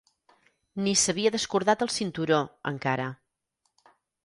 Ni s'havia descordat el cinturó, encara.